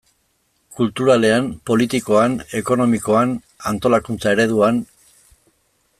Kulturalean, politikoan, ekonomikoan, antolakuntza ereduan...